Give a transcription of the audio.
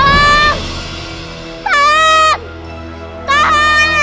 wajah bunda kamu